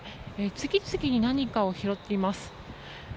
次々に何かを拾っています。